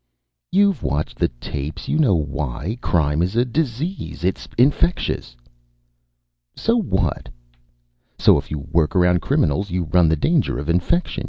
"You've watched the tapes, you know why. Crime is a disease. It's infectious." "So what?" "So if you work around criminals, you run the danger of infection.